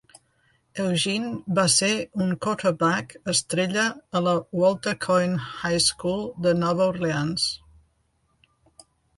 Eugene va ser un quarterback estrella a la Walter Cohen High School de Nova Orleans.